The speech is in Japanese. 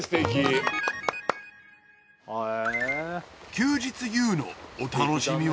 休日ＹＯＵのお楽しみは？